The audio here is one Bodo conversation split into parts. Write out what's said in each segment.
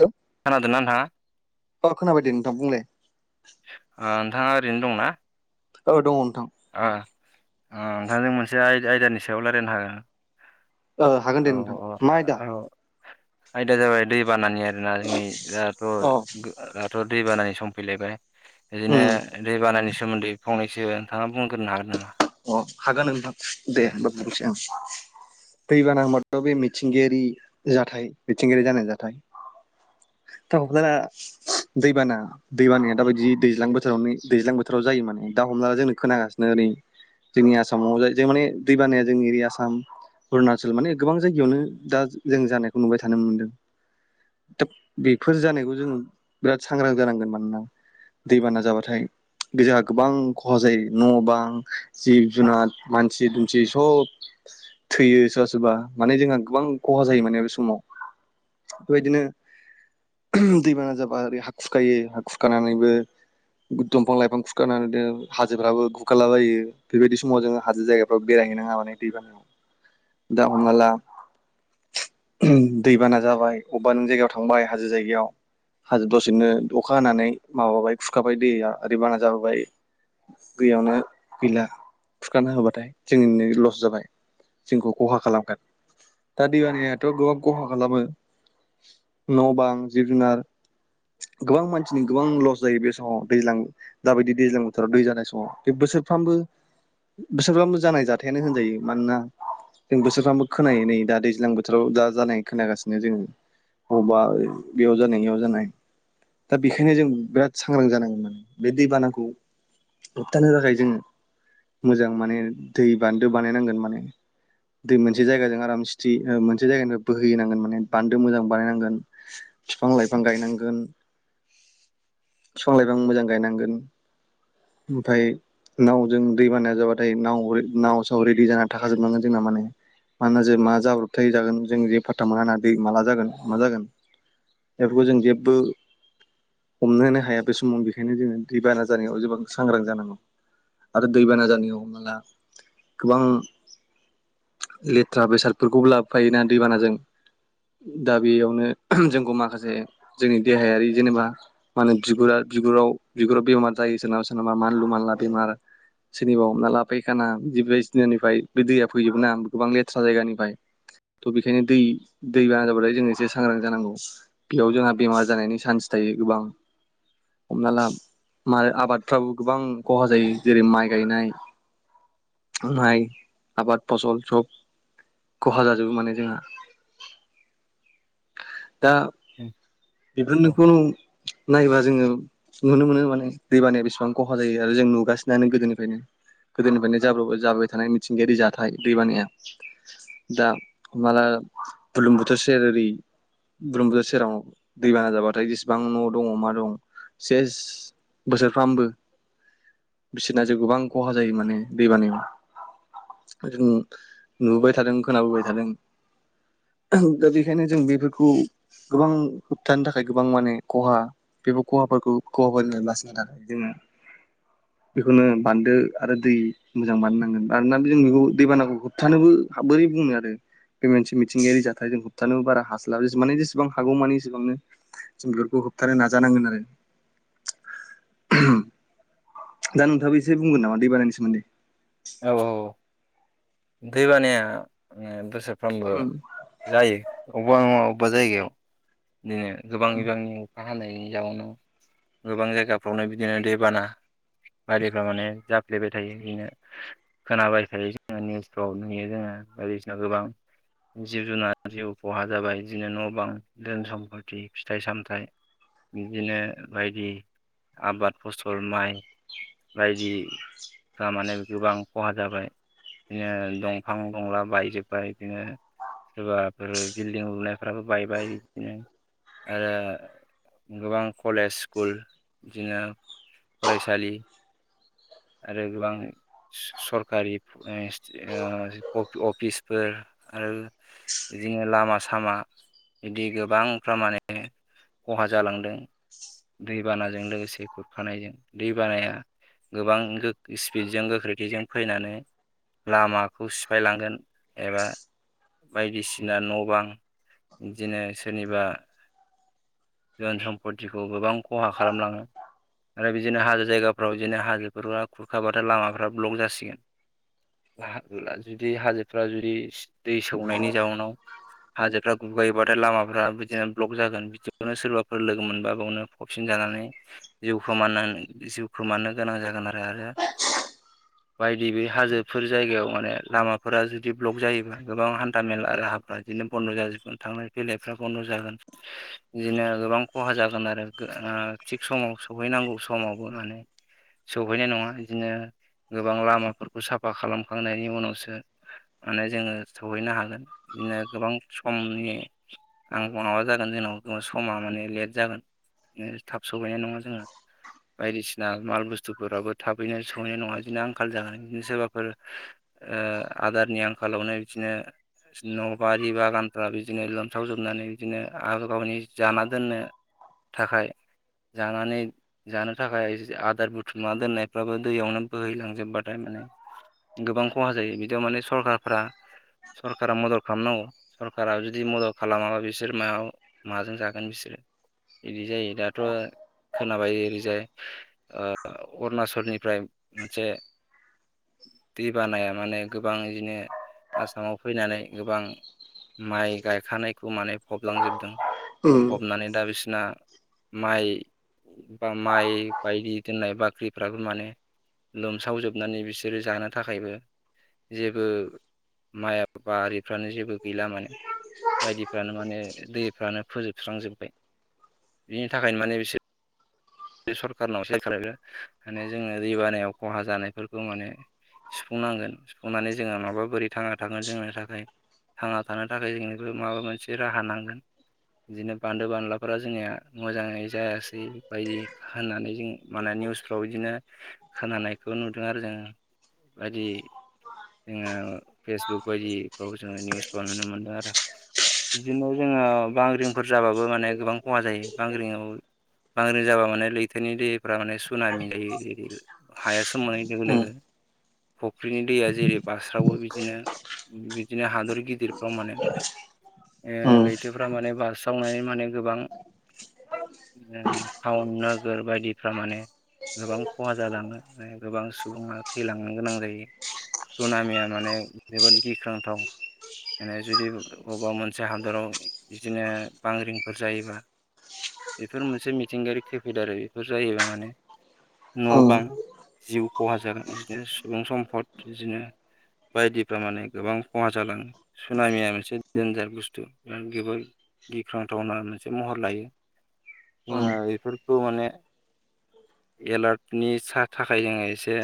हेलौ खोनादोंना नोंथाङा अ खोनाबाय दे नोंथां बुंलाय। नोंथाङा ओरैनो दंना। औ दं नोंथां। अ नोंथांजों मोनसे आयदानि सायाव रायज्लायनो हागोना। हागोन दे नोंथां मा आयदा। औ आयदाया जाबाय दै बानानि आरोना जोंनि अ दाथ' दाथ' दै बानानि सम फैलायबाय बिदिनो उम दैबानानि सोमोन्दै फंनैसो नोंथांआ बुंग्रोनो हागोन नामा। अ हागोन होनबा दे होमबा बुंसै आं। दैबाना होनोबाथ' बे मिथिंगायारि जाथाय मिथिंगायारि जानाय जाथाय। [inaudible] दैबाना दैबानाया दाबायदि दैज्लां बोथोरावनो दैज्लां बोथोराव जायो माने दा। हमना जोंनो खोनागासिनो ओरै जोंनि आसामाव जे जों माने दै बानाया जोंनि आसाम अरुणाचल माने गोबां जायगायावनो दा जों जानायखौ नुबाय थानो मोनदों। दा बेफोर जानायखौ [unintelligible] जों बिराद सांग्रां जानांगोन मानोना। दैबाना जाबाथाय जोंहा गोबां खहा जायो न' बां जिब जुनार मानसि दुमसि सब थैयो सोरबा सोरबा माने जोंहा गोबां खहा जायो माने बे समाव। बेबायदिनो। दैबाना जाबा ओरै हा खुरखायो हा खुरखानानैबो दंफां लाइफां खुरखारनानै हाजोफ्राबो गुगाला बायो। बेबायदि समाव जोङो हाजो जायगाफ्राव बेरायहैनाङा माने दै बानायाव। दा हमना ला। दैबाना जाबाय अबेबा नों जायगायाव थांबाय हाजो जायगायाव। हाजो दसेनो अखा हानानै माबाबाय खुरखाबाय दैया ओरै बाना जाबोबाय। दैयावनो गैला खुरखानना होबाथाय जोंनिनो लस जाबाय जोंखौ खहा खालामगोन। दा दै बानायाथ' गोबां खहा खालामो न' बां जिब जुनार। गोबां मानसिनि गोबां लस जायो बे समाव दैज्लां दाबायदि दैज्लां बोथोराव दै जानाय समाव बे बोसोर बोसोरफ्रामबो बोसोरफ्रामबो जानाय जाथायानो होनजायो मानोना। जों बोसोरफ्रामबो खोनायो नै दा दैज्लां बोथोराव दा जानाय खोनागासिनो जोङो। अबा बेयाव जानाय बेयाव जानाय। दा बेखायनो जों बिराद सांग्रां जानांगोन माने बे दैबानाखौ होबथानो थाखाय जोङो। मोजां माने दै बान्दो बानायनांगोन माने दै मोनसे जायगाजों आरामसि मोनसे जायगानिफ्राय बोहै होनांगोन माने बान्दो मोजां बानाय नांगोन बिफां लाइफां गायनांगोन बिफां लायफां मोजां गायनांगोन ओमफ्राय नावजों दै बानाया जाबाथाय नाव साव रेडि जाना थाखाजोब नांगोन जोंना माने मानोना जों मा जाब्रबथाय जागोन जों जेबो फाथा मोना ना दै माला जागोन मा जागोन बेफोरखौ जों जेबो हमनो हाया बे समाव बेखायनो जोङो दैबाना जानायाव गोबां सांग्रां जानांगौ। आरो दैबाना जानायाव हमना ला गोबां लेथ्रा बेसादफोरखौबो लाबोफायोना दैबानाजों दा बेयावनो जोंखौ माखासे जोंनि देहायारि जेनेबा मा होनो बिगुरा बिगुराव बिगुराव बेमार जायो सोरनाबा सोरनाबा मानलु मानला बेमार सोरनिबा हमना ला फैखाना बि बायसिनानिफाय बे दैया फैजोबो ना गोबां लेथ्रा जायगानिफाय थ' बेखायनो दै-दैबाना जाबाथाय जोंङो एसे सांग्रां जानांगौ बियाव जोंहा बेमार जानायनि चान्स था यो गोबां। हमना ला मार आबादफ्राबो गोबां खहा जायो। जेरै माइ गायनाय माइ आबाद फसल सब खहा जाजोबो माने जोंहा। दा औ बिफोरनोखौ नायबा जोङो नुनो मोनो माने दैबानाया बेसेबां खहा जायो। आरो जों नुगासि नो गोदोनिफायनो गोदोनिफायनो जाब्रबाय जाबोबाय थानाय मिथिंगायारि जाथाय दैबानाया। दा माला बुर्लुंबुथुर सेरारि बुरलुंबुथुर सेराव दैबाना जाबाथाय जेसेबां न' दङ' मा दं सेस बोसोरफ्रामबो बिसिना जिउ गोबां खहा जायो माने दैबानायाव जों नुबोबाय थादों खोनाबोबाय थादों दा बेखायनो जों बेफोरखौ गोबां होबथानो थाखाय गोबां माने खहा बेफो खहाफोखौ खहा [unintelligible] बासिनो थाखाय जोङो [inaudible] बेखौनो बान्दो आरो दै मोजां बानाय नांगोन। मानोना जों बेखौ दैबानाखौ होबथानोबो हा बोरै बुंनो आरो। बे मोनसे मिथिंगायारि जाथाय जों होबथानोबो बारा हास्लाबै माने जेसेबां हागौमाने एबांनो जों बेफोरखौ होबथानो नाजानांगोन आरो। दा नोंथाङाबो एसे बुंगोन नामा दैबानानि सोमोन्दै? औ औ। दैबानाया ओ बोसोरफ्रामबो उम जायो। अबेबा नङा अबेबा जायगायाव इदिनो गोबां बिबांनि अखा हानायनि जाउनाव गोबां जायगाफ्रावनो बिदिनो दैबाना बादिफ्रा माने जाफ्लेबाय थायो बिनो खोनाबाय थायो। ओ निउसफ्राव नुयो जोङो बायदिसिना गोबां जिब जुनार जिउ खहा जाबाय बिदिनो न' बां धोन सम्पथि फिथाइ सामथाइ बिदिनो बायदि आबाद फसल माइ बायदि फ्रा माने गोबां खहा जाबाय। इदिनो दंफां दंला बायजोबबाय इदिनो सोरबाफोर बिल्डिं लुनायफ्राबो बायबाय बिदिनो आरो गोबां कलेज स्कुल बिदिनो फरायसालि आरो गोबां स-सरकारि ओ इस्ट ओ अ-अ-अफिसफोर आरो बिदिनो लामा सामा बिदि गोबांफ्रा माने खहा जालांदों। दैबानाजों लोगोसे खुरखानायजों दै बानाया गोबां गो स्पिडजों गोख्रैथिजों फैनानै लामाखौ सिफायलांगोन एबा बायदिसिना न' बां बिदिनो सोरनिबा धोन सम्पतिखौ गोबां खहा खालामलाङो। आरो बिदिनो हाजो जायगाफ्राव बिदिनो हाजोफोरा खुरखाब आरो लामाफ्रा ब्लक जासिगोन। [unintelligible] जुदि हाजोफ्रा जुदि दै सौनायनि जाउनाव हाजोफ्रा गुगायोबाथाय लामाफ्रा बिदिनो ब्लक जागोन बि खौनो सोरबाफोर लोगो मोनबा बेयावनो फबसिन जानानै जिउ खोमानानै जिउखोमनो गोनां जागो [unintelligible] [inaudible] बायदि बे हाजोफोर जायगायाव माने लामाफोरा जुदि ब्लक जायोबा गोबां हान्था मेला राहाफ्रा बिदिनो बन्द' जाजोबगोन थांलाय फैलायफ्रा बन्द' जागोन। बिदिनो गोबां खहा जागोन आरो थिग समाव सहैनांगौ समावबो माने सौहैनाय नंङा बिदिनो गोबां लामाफोरखौ साफा खालामखांनायनि उनावसो माने जोंङो सौहैनो हागोन बिदिनो गोबां समनि आ माबा जागोन जोंनाव समा माने लेट जागोन थाब सहैनाय नंङा जोंङो। बायदिसिना माल बुस्थुफोराबो थाबैनो सहैनाय नंङा बिदिनो आंखाल जागोन बिदिनो सोरबाफोर ओ आदारनि आंखालावनो बिदिनो न' बारि बागानफ्रा बिदि बिदिनो लोमसाव जोबनानै बिदिनो आरो गावनि जानो दोननो थाखाय जानानै जानो थाखाय आदार बुथुमना दोननायफ्राबो दैयावनो बोहैलांजोबबाथाय माने गोबां खहा जायो बिदियाव माने सरखारफ्रा सरकारा मदद खालामनांगौ सरकारा जुदि मदद खालामाबा बिसोर मायाव माजों जागोन बिसोरो बिदि जायो दाथ' खोनाबाय ओरैजाय ओ अरुनाचलनिफ्राय मोनसे दै बानाया माने गोबां इदिनो आसामाव फैनानै गोबां माइ गायखानायखौ माने फबलांजोबदों उम फबनानै दा बिसिना माइ बा माइ बायदि दोननाय बाख्रिफ्राबो माने लोमसावजोबनानै बिसोरो जानो थाखायबो जेबो माइ बिफ्रानो जेबो गैला मानोे [unintelligible] बायदिफ्रानो माने दैफ्रानो फोजोबस्रांजोब्बाय बिनि थाखायनो माने बिसोर सरखारनाव सायखार माने जोङो दै बानायाव खहा जानायफोरखौ माने [unintelligible] सुफुंनांगोन सुफुंनानै जोंङो नंङाबा बोरै थांना थागोन जोंनि थाखाय थांना थानो थाखाय जोंनोबो माबा मोनसे राहा नांगोन। बिदिनो बान्दो बानलाफोरा जोंनिया मोजांङै जायासै बायदि होननानै जों माने निउसफ्राव इदिनो खोनानायखौ नुदों आरो जों बादि जोंङो फेसबुक बायदिफ्राव जोंङो निउसखौ नुनो मोनदों आरो। बिदिनो जोंङो बांग्रिंफोर जाबाबो माने गोबां खहा जायो बांग्रिंआव बांग्रि जाबा माने लैथोनि दैफ्रा माने सुनामि जायो हाया सोमावनाय लोगो उम लोगो फुख्रिनि दैया जेरै बास्रावो बिदिनो बिदिनो हादर गिदिरफ्राव मानो ओ उम लैथोफ्रा माने बास्रावनानै माने गोबां बिदिनो टाउन नोगोर बायदिफ्रा माने गोबां खहा जालांङो ओमफ्राय गोबां सुबुंङा थैलांनो गोनां जायो। सुनामिया माने जोबोद गिख्रांथाव। माने जुदि बबेबा मोनसे हादराव बिदिनो बांग्रिंफोर जायोबा बेफोर मोनसे मिथिंगायारि खैफोद आरो बेफोर जायोबा माने न' बां उम जिउ खहा जागोन बिदिनो सुबुं सम्फद बिदिनो बायदिफ्रा माने गोबां खहा जालांङो सुनामिया मोनसे देनजार बुस्थु बिफोर गोबां गिख्रांथावना मोनसे महर लायो जोंङो बेफोरखौ माने [inaudible] एलार्टनि सा थाखाय जोंङो एसे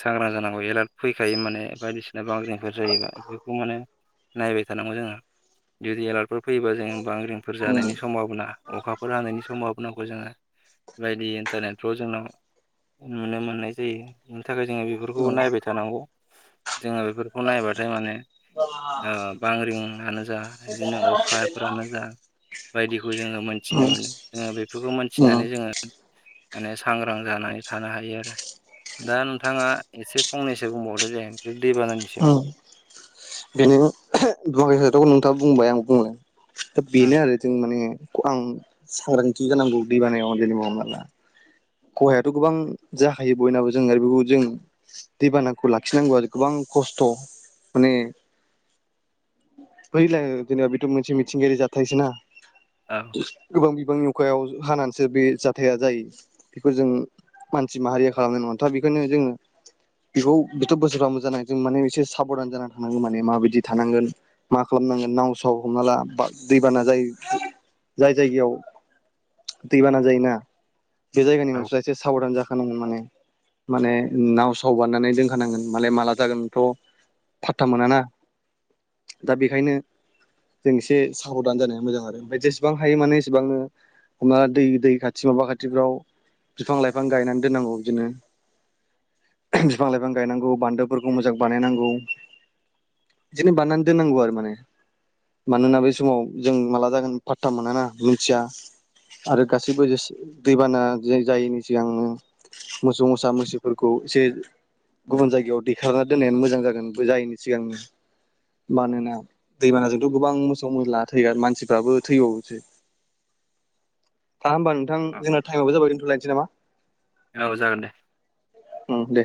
सांग्रां जानांगौ एलार्ट फैखायो माने बायदिसिना बांद्राय फोर जायोबा बेफोरखौ माने नायबाय थानांगौ जोंङो‌ जुदि एलार्टफोर फैयोबा जों बांग्रि फोर उम जानायनि संभावना अखाफोर हानायनि समावाबो नांगौ जोंङो बायदि इन्टारनेटफ्राव जोंनाव नुनो मोननाय जायो बेनि थाखाय जोंङो बेफोरखौबो उम नायबाय थानांगौ। जोंङो बेफोरखौ नायबाथाय माने ओ बांग्रिं होनो बा बिदिनो अखाफ्रानो जा बायदिखौ जोंङो उम मोनथिनो मोन जोंङो बेफोरखौ मिथिनानै जोङो माने सांग्रां जानानै थानो हायो आरो। दा नोंथाङा एसे फंनैसो बुंबावदो दे बे दैबानानि सायाव? बेनो [unintelligible] नोंथाङा बुंबाय आं बुङो दा उम बेनो आरो जों माने आं सांग्रांथि होनांगौ दैबानायाव जेनेबा हमना ला खहायाथ गोबां जाखायो बयनाबो जों आरो बेखौ जों दैबानाखौ लाखिनांगौ आरो गोबां खस्थ माने बे जिनोबा बेथ मोनसे मिथिं गायारि जाथायसोना। औ गोबां बिबांनि अखायाव हानानैसो बे जाथाया जायो। बेखौ जों मानसि माहारिया खालामनाय नङा। दा बेखनो जोङो बेखौ बेथ बोसोरफ्राम मो जानाय जों माने एसे साबधान जानानानै थानांगोन माने माबायदि थानांगोन मा खालाम नांगोन नाव साव हमना ला दैबाना जाय जाय जायगायाव दैबाना जायोना बे जायगानि औ मानसिफ्रा एसे साबधान जा [unintelligible] माने माने नाव साव बारनानै दोनखानांगोन माने माला जागोनथ फाथथा मोनाना दा बेखायनो जों एसे साबधान जानाया मोजां आरो ओमफ्राय जेसेबां हायो माने एसेबांनो हमनाला दै दै खाथि माबा खाथिफ्राव बिफां लाइफां गायनानै दोननांगौ बिदिनो बिफां लाइफां गायनांगौ बान्दोफोरखौ मोजां बानायनांगौ बिदिनो बानानद नांगौ आरो माने मानोना बे समाव जों माला जागोन पाथथा मोनाना मिथिया आरो गासैबो दैबाना जायैनि सिगां मोसौ मोसा मैसोफोरखौ एसे गुबुन जायगायाव दैखांना दोननायानो मोजां जागोन जायैनि सिगांनो मानोना दैमानाजोंथ गोबां मोसौ मोस्ला थैग मानसिफ्राबो थैबावोसै दा होमबा नोंथां जोंना टाइमावबो जाबाय दोनथलायनोसै नामा? औ जागोन दे। उम दे।